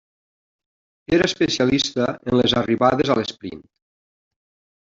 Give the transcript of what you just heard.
Era especialista en les arribades a l'esprint.